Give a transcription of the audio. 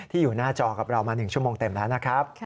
อยู่หน้าจอกับเรามา๑ชั่วโมงเต็มแล้วนะครับ